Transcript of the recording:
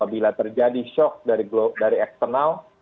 bila terjadi shock dari eksternal